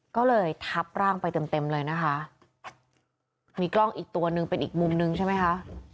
ก็เลยทับร่างไปเต็มเต็มเลยนะคะมีกล้องอีกตัวหนึ่งเป็นอีกมุมนึงใช่ไหมคะ